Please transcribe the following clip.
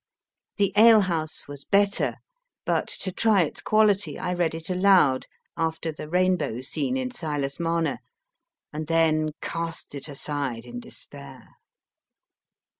The alehouse was better, but to try its quality I read it aloud, after the Rainbow scene in 70 MY FIRST BOOK Silas Marner, and then cast it aside in despair.